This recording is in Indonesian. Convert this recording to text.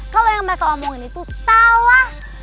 kalau yang mereka omongin itu salah